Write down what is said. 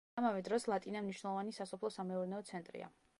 ამავე დროს, ლატინა მნიშვნელოვანი სასოფლო-სამეურნეო ცენტრია.